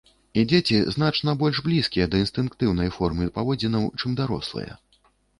І дзеці значна больш блізкія да інстынктыўнай формы паводзінаў, чым дарослыя.